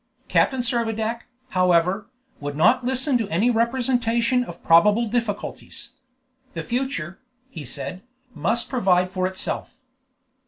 Captain Servadac, however, would not listen to any representation of probable difficulties; the future, he said, must provide for itself.